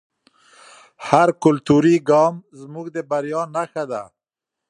هر کلتوري ګام زموږ د بریا نښه ده.